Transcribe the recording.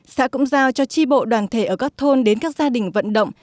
xã cũng giao cho tri bộ đoàn thể ở các thôn đến các gia đình vận động